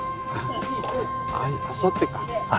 あさってか。